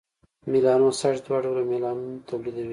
میلانوسایټس دوه ډوله میلانون تولیدوي: